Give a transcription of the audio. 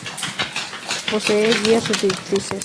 Posee diez rectrices.